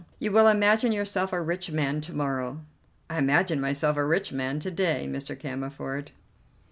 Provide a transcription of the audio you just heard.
You will imagine yourself a rich man to morrow." "I imagine myself a rich man to day, Mr. Cammerford."